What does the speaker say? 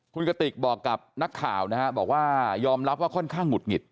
คุณกติกบอกกับนักข่าวนะฮะบอกว่ายอมรับว่าค่อนข้างหงุดหงิด